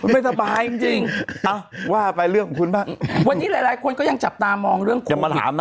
ไม่สบายจริงว่าไปเรื่องของคุณบ้างวันนี้หลายคนก็ยังจับตามองเรื่องคุณ